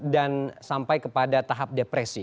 sampai kepada tahap depresi